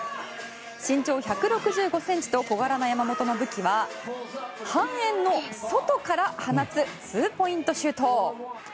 身長１６５ｃｍと小柄な山本の武器は半円の外から放つツーポイントシュート。